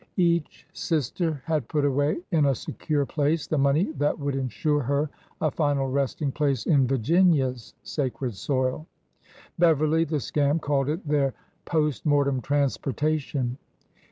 Each sister had put away in a secure place the money that would insure her a final resting place in Virginia's sacred soil. (Beverly, the scamp, called it their ''post mortem transportation.")